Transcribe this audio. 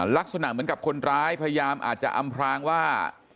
ลักษณะเหมือนกับคนร้ายพยายามอาจจะอำพรางว่า